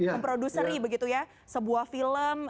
memproduceri begitu ya sebuah film